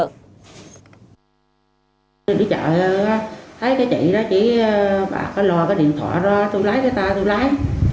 đi chợ thấy cái chị đó chỉ bảo có lo cái điện thoại ra tôi lái cho ta tôi lái